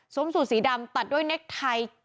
สูตรสีดำตัดด้วยเน็กไทย